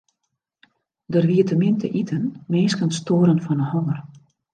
Der wie te min te iten, minsken stoaren fan 'e honger.